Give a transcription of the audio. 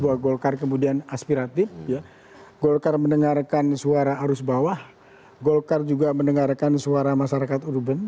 bahwa golkar kemudian aspiratif golkar mendengarkan suara arus bawah golkar juga mendengarkan suara masyarakat urban